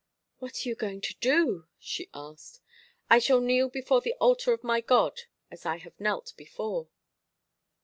"What are you going to do?" she asked. "I shall kneel before the altar of my God, as I have knelt before."